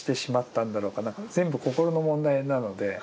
全部心の問題なので。